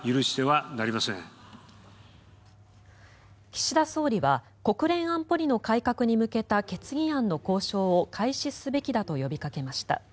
岸田総理は国連安保理の改革に向けた決議案の交渉を開始すべきだと呼びかけました。